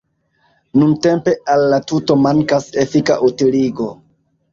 Nuntempe al la tuto mankas efika utiligo.